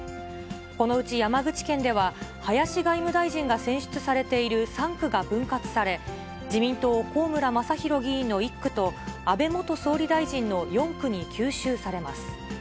このうち山口県では、林外務大臣が選出されている３区が分割され、自民党、高村正大議員の１区と、安倍元総理大臣の４区に吸収されます。